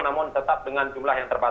namun tetap dengan jumlah yang terbatas